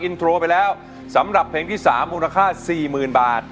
น้ำมันไปชุบ